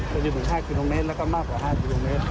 จนถึง๕กิโลเมตรแล้วก็มากกว่า๕กิโลเมตร